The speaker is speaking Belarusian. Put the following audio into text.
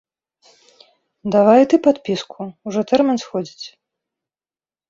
Давай і ты падпіску, ужо тэрмін сходзіць.